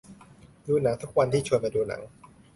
ดูหนังทุกวัน ที่ชวนมาดูหนัง